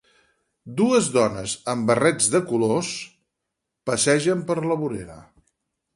Dues dones amb barrets de colors passegen per la vorera.